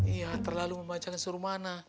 iya terlalu membacanya si rumana